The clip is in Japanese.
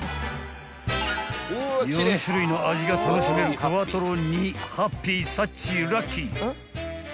［４種類の味が楽しめるクワトロ・２ハッピーサッチーラッキー］